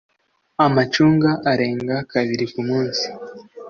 amacunga arenga kabiri kumunsi